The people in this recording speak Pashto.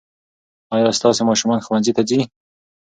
ايا ستاسې ماشومان ښوونځي ته ځي؟